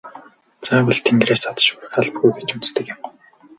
Заавал тэнгэрээс од шүүрэх албагүй гэж үздэг юм.